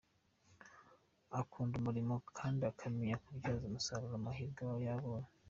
Akunda umurimo kandi akamenya kubyaza umusaruro amahirwe aba abonye.